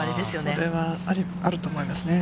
それはあると思いますね。